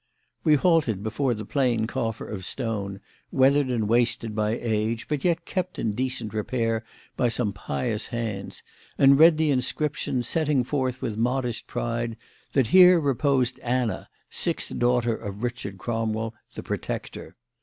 We halted before the plain coffer of stone, weathered and wasted by age, but yet kept in decent repair by some pious hands, and read the inscription, setting forth with modest pride, that here reposed Anna, sixth daughter of Richard Cromwell, "The Protector."